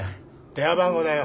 電話番号だよ。